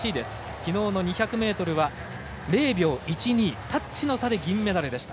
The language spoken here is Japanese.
きのうの２００ｍは０秒１２タッチの差で銀メダルでした。